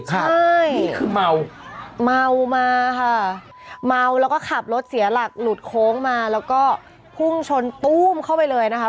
ใช่นี่คือเมาเมามาค่ะเมาแล้วก็ขับรถเสียหลักหลุดโค้งมาแล้วก็พุ่งชนตู้มเข้าไปเลยนะคะ